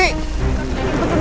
ikut riri bahaya riri